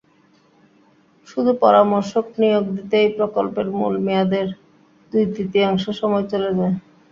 শুধু পরামর্শক নিয়োগ দিতেই প্রকল্পের মূল মেয়াদের দুই-তৃতীয়াংশ সময় চলে যায়।